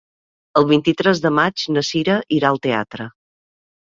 El vint-i-tres de maig na Cira irà al teatre.